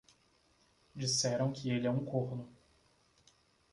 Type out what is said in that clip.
Disseram que ele é um corno.